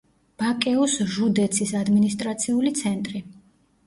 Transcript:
ბაკეუს ჟუდეცის ადმინისტრაციული ცენტრი.